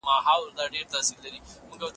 استاد منګل